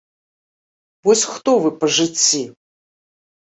Вось хто вы па жыцці?